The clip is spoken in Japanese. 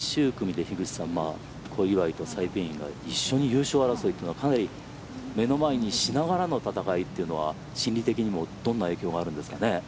最終組で樋口さん小祝とサイ・ペイインが一緒に優勝争いというのはかなり目の前にしながらの戦いというのは心理的にもどんな影響があるんですかね。